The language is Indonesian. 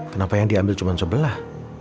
kenapa yang diambil cuma sebelah